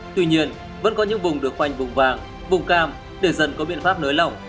tuy nhiên vẫn có những vùng được khoanh vùng vàng vùng cam để dần có biện pháp nới lỏng